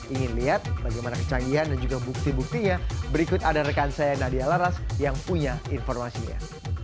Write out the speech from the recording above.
ingin lihat bagaimana kecanggihan dan juga bukti buktinya berikut ada rekan saya nadia laras yang punya informasinya